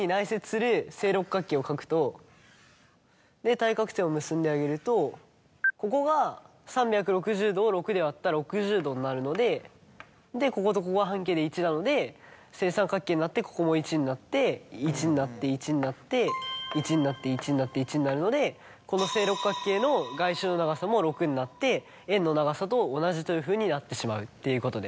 を描くとで対角線を結んであげるとここが３６０度を６で割った６０度になるのでこことここが半径で１なので正三角形になってここも１になって１になって１になって１になって１になって１になるのでこの正六角形の外周の長さも６になって円の長さと同じというふうになってしまうっていうことです。